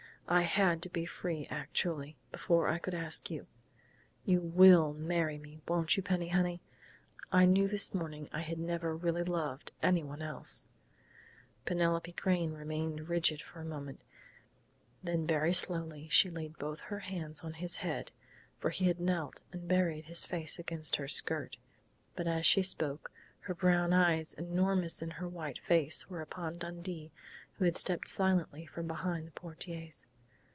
I had to be free actually, before I could ask you.... You will marry me, won't you, Penny honey?... I knew this morning I had never really loved anyone else " Penelope Crain remained rigid for a moment, then very slowly she laid both her hands on his head, for he had knelt and buried his face against her skirt. But as she spoke, her brown eyes, enormous in her white face, were upon Dundee, who had stepped silently from behind the portieres.